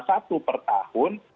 hanya satu per tahun